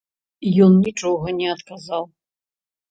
Ён нічога не адказаў.